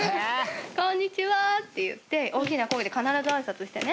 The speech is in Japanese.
「こんにちは」って言って大きな声で必ず挨拶してね。